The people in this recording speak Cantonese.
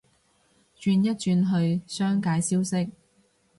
轉一轉去商界消息